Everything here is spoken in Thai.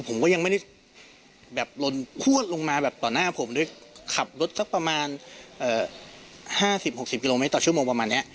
ผมก็ยังไม่ได้แบบลนพวดลงมาแบบต่อหน้าผมด้วยขับรถสักประมาณ๕๐๖๐กิโลเมตรต่อชั่วโมงประมาณนี้